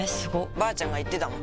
ばあちゃんが言ってたもん